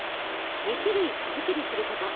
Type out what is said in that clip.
２種類手作りすること。